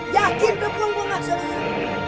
yakin kau belum pembuka serigala